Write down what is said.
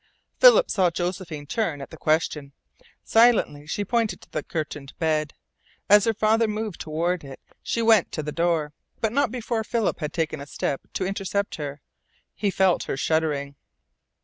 Philip saw Josephine turn at the question. Silently she pointed to the curtained bed. As her father moved toward it she went to the door, but not before Philip had taken a step to intercept her. He felt her shuddering.